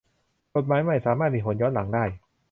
กฎหมายใหม่สามารถมีผลย้อนหลังได้